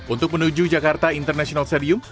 untuk menuju jakarta international stadium